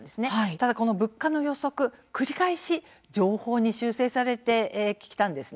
ただ、この物価の予測、繰り返し上方修正されてきたんです。